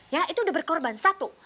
ya itu udah berkorban satu